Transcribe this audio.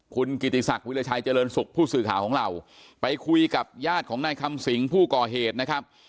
คุณกิติศักดิราชัยเจริญสุขผู้สื่อข่าวของเราไปคุยกับญาติของนายคำสิงผู้ก่อเหตุนะครับ